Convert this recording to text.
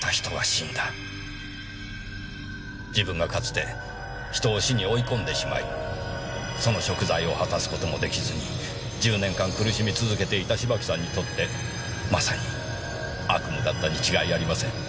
自分がかつて人を死に追い込んでしまいその贖罪を果たす事もできずに１０年間苦しみ続けていた芝木さんにとってまさに悪夢だったに違いありません。